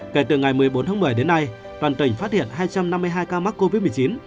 kể từ ngày một mươi bốn tháng một mươi đến nay toàn tỉnh phát hiện hai trăm năm mươi hai ca mắc covid một mươi chín